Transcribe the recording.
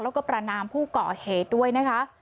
แล้วก็ประนามผู้ก่อเหตุด้วยนะคะ